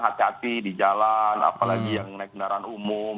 hati hati di jalan apalagi yang naik kendaraan umum